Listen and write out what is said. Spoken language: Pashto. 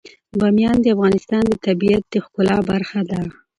بامیان د افغانستان د طبیعت د ښکلا برخه ده.